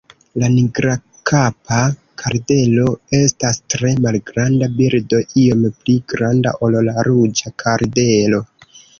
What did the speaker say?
La Nigrakapa kardelo estas tre malgranda birdo, iom pli granda ol la Ruĝa kardelo.